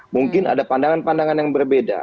mungkin ada pandangan pandangan yang berbeda